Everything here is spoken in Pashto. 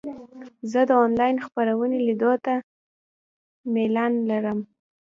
زه د انلاین خپرونو لیدو ته میلان لرم.